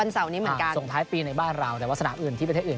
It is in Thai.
ส่งท้ายปีในบ้านเราแต่ว่าสนามอื่นที่ประเทศอื่น